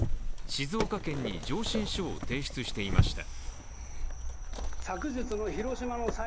静岡県に上申書を提出していました。